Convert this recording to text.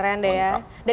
keren deh ya